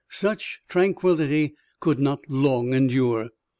Such tranquillity could not long endure.